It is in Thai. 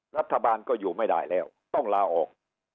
รัฐบาลก็อยู่ไม่ได้แล้วต้องลาออก